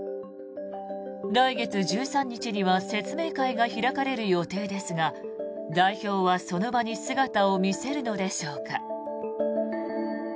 来月１３日には説明会が開かれる予定ですが代表は、その場に姿を見せるのでしょうか。